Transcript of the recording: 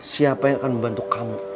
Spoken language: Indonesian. siapa yang akan membantu kamu